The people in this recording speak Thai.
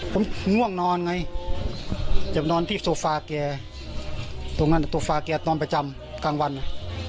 ผมง่วงนอนไงจำนอนที่โฟฟาร์แก่โฟฟาร์แก่นอนประจำกลางวันนะ